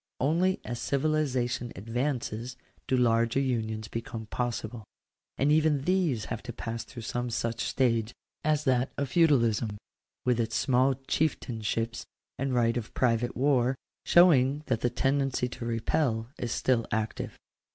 Only as civilization advances do larger unions become possible. And even these have to pass through some such stage as that of feudalism, with its small chieftainships and right of private war, showing that the tendency to repel is still active.